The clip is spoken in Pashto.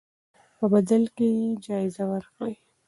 په بدل کې یې جایزه ورکړئ.